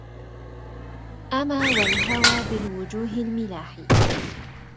أما والهوى بالوجوه الملاح